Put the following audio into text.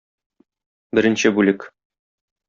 Беренче бүлек.